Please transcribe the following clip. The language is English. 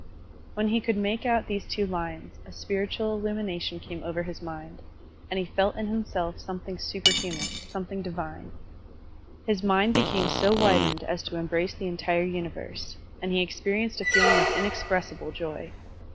When he could make out these two lines, a spiritual illtmiination came over his mind, and he felt in himself something superhuman, some thing divine. His naind became so widened as to embrace the entire universe, and he experi enced a feeling of inexpressible joy.